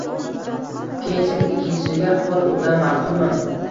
Keyinchalik ikkinchisiga qo’l urgan ma’qulmi?..